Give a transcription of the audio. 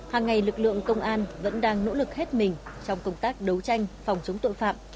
hàng ngày lực lượng công an vẫn đang nỗ lực hết mình trong công tác đấu tranh phòng chống tội phạm